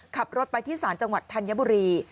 ขับรถไปที่ศาลจังหวัดธัญบุรี